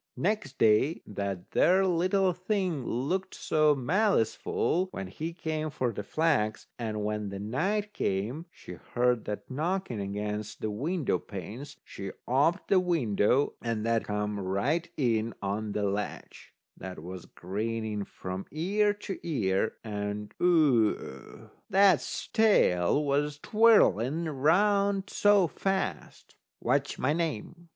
Next day that there little thing looked so maliceful when he came for the flax. And when night came, she heard that knocking against the window panes. She oped the window, and that come right in on the ledge. That was grinning from ear to ear, and Oo! that's tail was twirling round so fast. "What's my name?"